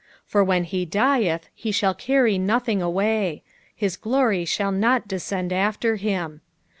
417 17 For when he dieth he shall carry nothing away : his glory shall not descend after him.